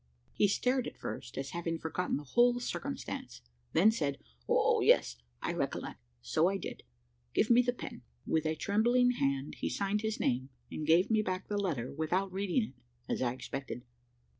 He stared at first, as having forgotten the whole circumstance then said "O yes! I recollect, so I did give me the pen." With a trembling hand he signed his name, and gave me back the letter without reading it, as I expected.